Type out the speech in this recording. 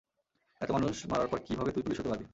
এত মানুষ মারার পর কিভাবে তুই পুলিশ হতে পারবি?